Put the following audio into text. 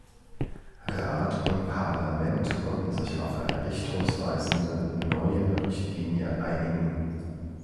Rat und Parlament konnten sich auf eine richtungsweisende neue Richtlinie einigen.